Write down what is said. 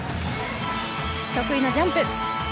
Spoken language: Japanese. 得意のジャンプ。